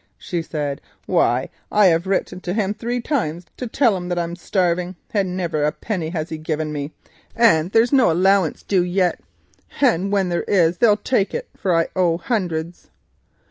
she said; "why, I have written to him three times to tell him that I'm starving, and never a cent has he given me—and there's no allowance due yet, and when there is they'll take it, for I owe hundreds."